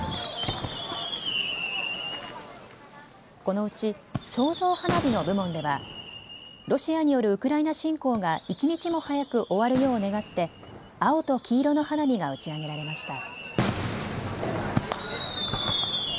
このうち、創造花火の部門ではロシアによるウクライナ侵攻が一日も早く終わるよう願って青と黄色の花火が打ち上げられました。